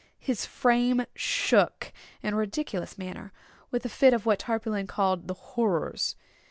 His frame shook, in a ridiculous manner, with a fit of what Tarpaulin called "the horrors."